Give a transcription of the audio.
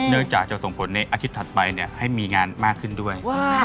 เนื่องจากจะส่งผลในอาทิตย์ถัดไปเนี่ยให้มีงานมากขึ้นด้วย